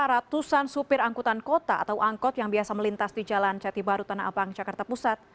ratusan supir angkutan kota atau angkot yang biasa melintas di jalan jati baru tanah abang jakarta pusat